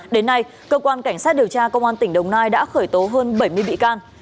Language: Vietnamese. đến nay cơ quan cảnh sát điều tra công an tỉnh đồng nai đã khởi tố hơn bảy mươi bị can